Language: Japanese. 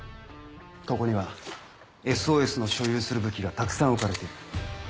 ここには「ＳＯＳ」の所有する武器がたくさん置かれている。